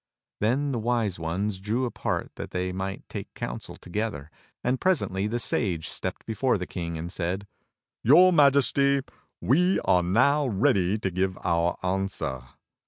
Then the Wise Ones drew apart that they might take counsel together, and presently the Sage stepped before the King and said: "Your Majesty, we are now ready to give our answer.